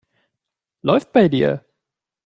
Läuft bei dir.